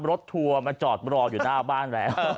ทัวร์มาจอดรออยู่หน้าบ้านแล้ว